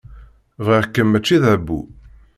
Bɣiɣ-kem mačči d abbu.